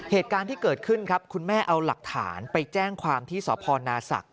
เหตุการณ์ที่เกิดขึ้นครับคุณแม่เอาหลักฐานไปแจ้งความที่สพนาศักดิ